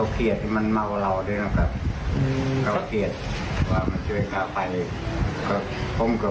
คือเข้าไปดูอะไรครับ